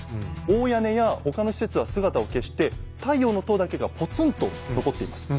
大屋根や他の施設は姿を消して「太陽の塔」だけがポツンと残っています。